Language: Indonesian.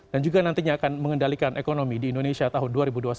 dan juga nantinya akan mengendalikan ekonomi di indonesia tahun dua ribu dua puluh satu